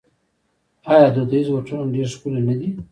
آیا دودیز هوټلونه ډیر ښکلي نه دي؟